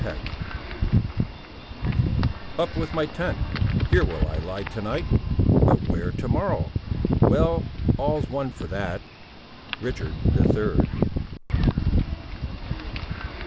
CHAPTER II Up with my tent: here will I lie to night, But where, to morrow?—Well, all's one for that —Richard the Third.